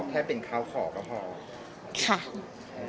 ส่วนถึงแค่แค่เป็นข่าวขอก็พอ